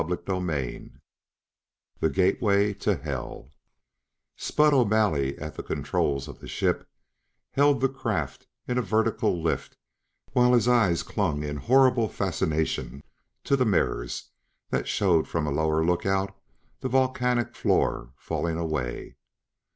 CHAPTER VII The Gateway to Hell Spud O'Malley, at the controls of the ship, held the craft in a vertical lift while his eyes clung in horrible fascination to the mirrors that showed from a lower lookout the volcanic floor falling away.